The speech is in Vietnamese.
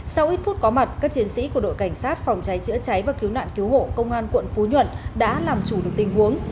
sau ít phút có mặt các chiến sĩ của đội cảnh sát phòng cháy chữa cháy và cứu nạn cứu hộ công an quận phú nhuận đã làm chủ được tình huống